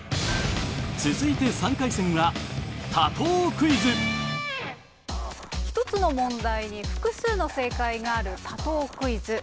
続いて３回戦は一つの問題に複数の正解がある多答クイズ。